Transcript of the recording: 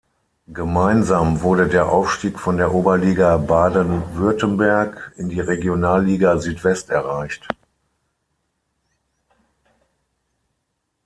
Gemeinsam wurde der Aufstieg von der Oberliga Baden-Württemberg in die Regionalliga Südwest erreicht.